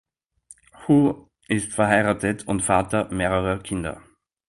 Hu ist verheiratet und Vater mehrerer Kinder.